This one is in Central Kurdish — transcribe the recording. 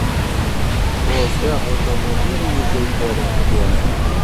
خۆزگە ئۆتۆمۆبیلی وزەی خۆرم هەبوایە.